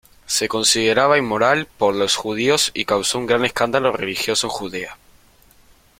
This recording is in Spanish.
Se consideraba inmoral por los judíos y causó un gran escándalo religioso en Judea.